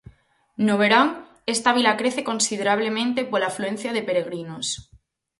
No verán, esta vila crece considerablemente pola afluencia de peregrinos.